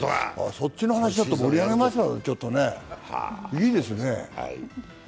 そっちの話だと盛り上がりますね、いいですね。